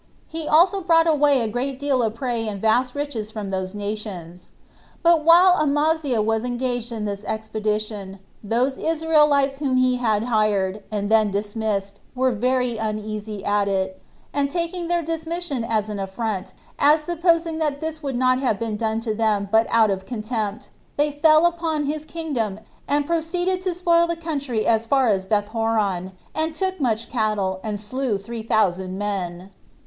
He also brought away a great deal of prey and vast riches from those nations. But while Amaziah was engaged in this expedition, those Israelites whom he had hired, and then dismissed, were very uneasy at it, and taking their dismission for an affront, [as supposing that this would not have been done to them but out of contempt,] they fell upon his kingdom, and proceeded to spoil the country as far as Beth horon, and took much cattle, and slew three thousand men.